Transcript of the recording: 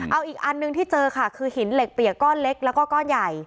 เอาอีกอันหนึ่งที่เจอค่ะคือหินเหล็กเปียกก้อนเล็กแล้วก็ก้อนใหญ่